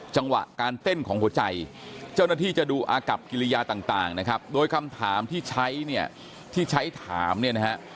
จังหวะการเต้นของหัวใจเจ้าหน้าที่จะดูอากับกิริยาต่างนะครับโดยคำถามที่ใช้เนี่ยที่ใช้ถามเนี่ยนะฮะ